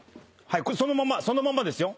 そのままそのままですよ。